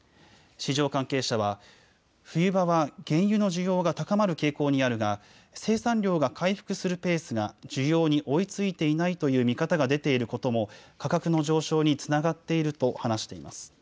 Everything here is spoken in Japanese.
市場関係者は、冬場は原油の需要が高まる傾向にあるが生産量が回復するペースが需要に追いついていないという見方が出ていることも価格の上昇につながっていると話しています。